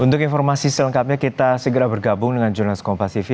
untuk informasi selengkapnya kita segera bergabung dengan jurnalist kompas tv